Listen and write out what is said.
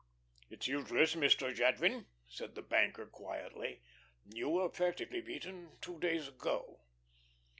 "It's useless, Mr. Jadwin," said the banker, quietly. "You were practically beaten two days ago."